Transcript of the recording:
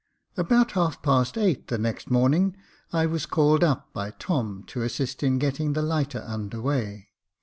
About half past eight the next morning, I was called up by Tom to assist in getting the lighter under weigh.